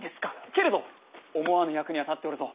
けれど思わぬ役には立っておるぞ。